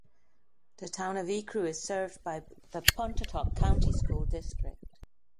The town of Ecru is served by the Pontotoc County School District.